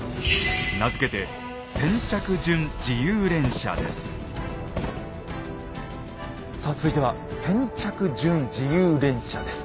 名付けてさあ続いては先着順自由連射です。